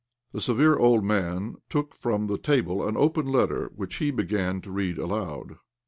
The severe old man took from the table an open letter, which he began to read aloud.